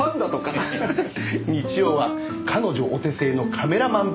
日曜は彼女お手製のカメラマン